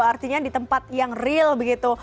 artinya di tempat yang real begitu